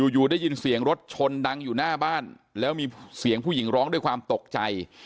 อยู่ได้ยินเสียงรถชนดังอยู่หน้าบ้านแล้วมีเสียงผู้หญิงร้องด้วยความตกใจ